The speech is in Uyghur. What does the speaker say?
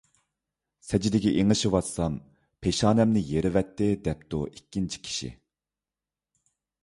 _ سەجدىگە ئېڭىشىۋاتسام، پېشانەمنى يېرىۋەتتى، _ دەپتۇ ئىككىنچى كىشى.